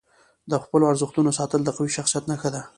د خپلو ارزښتونو ساتل د قوي شخصیت نښه ده.